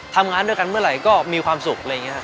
ทำงานด้วยกันเมื่อไหร่ก็มีความสุข